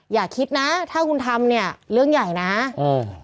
อย่าคิดนะถ้าคุณทำเนี้ยเรื่องใหญ่นะเออ